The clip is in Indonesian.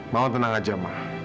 mau tenang aja ma